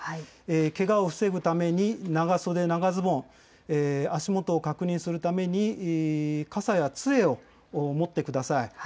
けがを防ぐために、長袖、長ズボン、足元を確認するために傘やつえを持ってください。